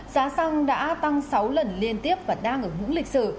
giá xăng đã tăng sáu lần liên tiếp và đang ở ngưỡng lịch sử